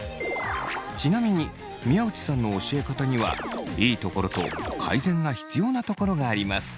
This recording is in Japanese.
ちなみに宮内さんの教え方にはいいところと改善が必要なところがあります。